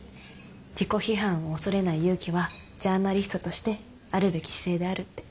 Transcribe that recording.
「自己批判を恐れない勇気はジャーナリストとしてあるべき姿勢である」って。